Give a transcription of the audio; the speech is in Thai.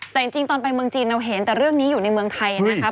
แต่จริงตอนไปเมืองจีนเราเห็นแต่เรื่องนี้อยู่ในเมืองไทยนะครับ